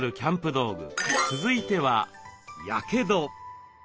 道具続いては「やけど」。